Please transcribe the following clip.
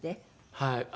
はい。